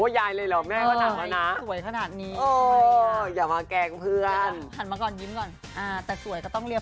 ครับตัวเองคือไม่ติดเลย